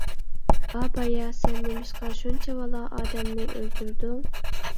ئابايا سەن نېمىشقا شۇنچىۋالا ئادەمنى ئۆلتۈردۈڭ؟